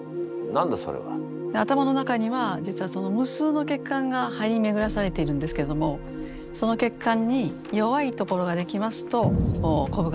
頭の中には実は無数の血管が張り巡らされているんですけどもその血管に弱い所ができますとこぶができる。